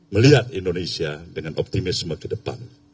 melihat indonesia dengan optimisme ke depan